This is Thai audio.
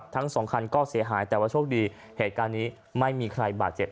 ทั้งสองคันก็เสียหายแต่ว่าโชคดีเหตุการณ์นี้ไม่มีใครบาดเจ็บ